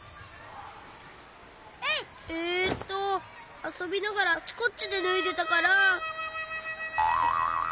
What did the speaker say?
えっとあそびながらあっちこっちでぬいでたから。